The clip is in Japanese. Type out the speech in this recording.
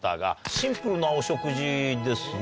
シンプルなお食事ですね。